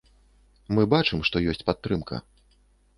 Мы бачым, што ёсць падтрымка.